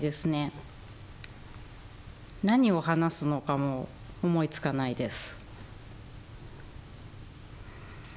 何を話すのかも思いつかないです。